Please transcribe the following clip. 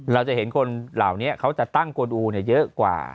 เราจะเห็นคนเหล่านี้เขาจะตั้งกวนอูเยอะกว่า